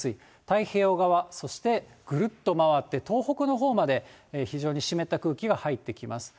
太平洋側、そしてぐるっと回って東北のほうまで、非常に湿った空気が入ってきます。